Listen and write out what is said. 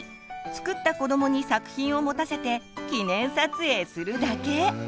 作った子どもに作品を持たせて記念撮影するだけ！